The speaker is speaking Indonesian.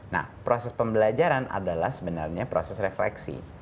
nah proses pembelajaran adalah sebenarnya proses refleksi